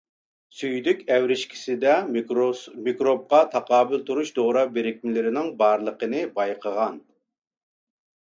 سۈيدۈك ئەۋرىشكىسىدە مىكروبقا تاقابىل تۇرۇش دورا بىرىكمىلىرىنىڭ بارلىقىنى بايقىغان.